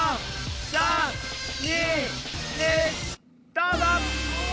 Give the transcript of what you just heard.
どうぞ！